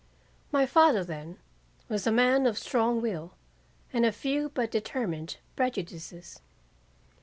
My father, then, was a man of strong will and a few but determined prejudices.